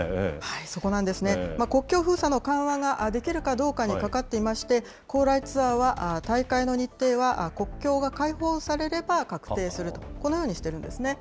そこなんですね、国境封鎖の緩和ができるかどうかにかかっていまして、高麗ツアーは大会の日程は国境が開放されれば確定すると、このようにしてるんですね。